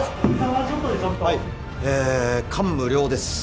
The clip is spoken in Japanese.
え感無量です。